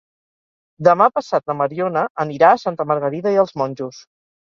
Demà passat na Mariona anirà a Santa Margarida i els Monjos.